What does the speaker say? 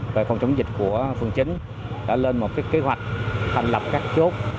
về phòng chống dịch của phường chín đã lên một kế hoạch thành lập các chốt